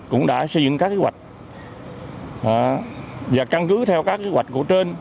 cũng đã xây dựng các kế hoạch và căn cứ theo các kế hoạch của trên